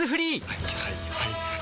はいはいはいはい。